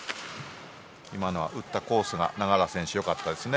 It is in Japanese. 今のは打ったコースが永原選手、良かったですね。